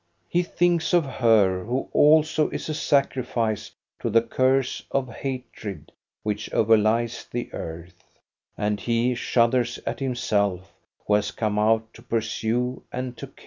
He thinks of her, who also is a sacrifice to the curse of hatred which overlies the earth, and he shudders at himself, who has come out to pursue and to kill.